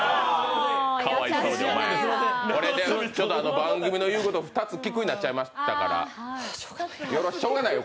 番組の言うこと２つ聞くになっちゃいましたからしょうがないよ